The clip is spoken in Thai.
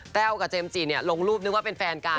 แววกับเจมส์จิลงรูปนึกว่าเป็นแฟนกัน